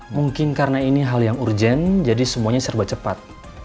mungkin karena ini hal yang urgent jadi semuanya serba cepat